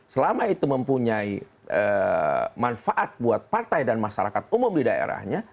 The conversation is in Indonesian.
selama itu mempunyai manfaat buat partai dan masyarakat umum di daerahnya